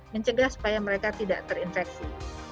mencegah supaya mereka tidak terinfeksi